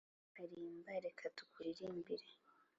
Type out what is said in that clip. Ukarimba reka tukuririmbe